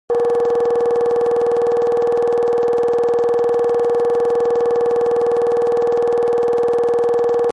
Инал ар щилъагъум, занщӀэу къытехьащ, и гур зэрышхыу къыщӀидзащ.